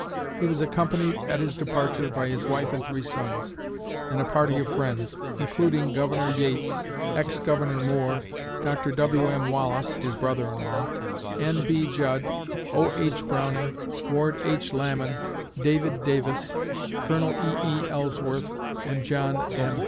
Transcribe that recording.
He was accompanied at his departure by his wife and three sons, and a party of friends, including Governor Yates, ex Governor Moore, Dr. W.M. Wallace (his brother in law), N.B. Judd, O.H. Browning, Ward H. Lamon, David Davis, Col. E.E. Ellsworth, and John M.